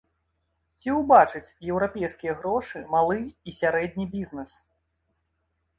Ці ўбачыць еўрапейскія грошы малы і сярэдні бізнэс?